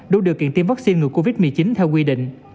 đủ điều kiện tiêm vaccine ngừa covid một mươi chín theo quy định